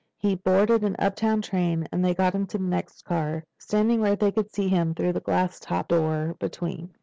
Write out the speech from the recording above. He boarded an uptown train and they got into the next car, standing where they could see him through the glass topped door between.